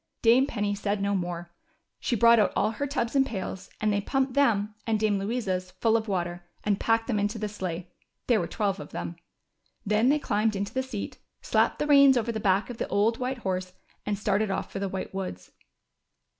Dame Penny said no more. She brought out all her tubs and pails, and they pumped them, and Dame Louisa's, full of water, and packed them into the sleigh — there were twelve of them. Then they climbed into the seat, slapped the reins over the back of the old white horse, and started off for the White Woods.